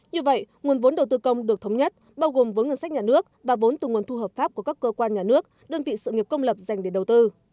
như vậy nguồn vốn đầu tư công được thống nhất bao gồm với ngân sách nhà nước và vốn từ nguồn thu hợp pháp của các cơ quan nhà nước đơn vị sự nghiệp công lập dành để đầu tư